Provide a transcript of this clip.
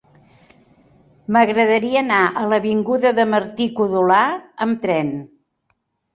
M'agradaria anar a l'avinguda de Martí-Codolar amb tren.